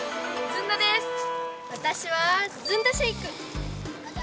私はずんだシェイク。